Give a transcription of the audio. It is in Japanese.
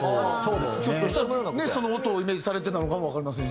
ひょっとしたらねその音をイメージされてたのかもわかりませんし。